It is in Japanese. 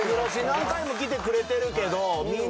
何回も来てくれてるけど。